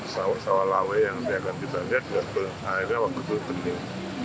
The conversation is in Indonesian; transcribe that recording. sawah sawah lawe yang biarkan kita lihat airnya waktu itu pening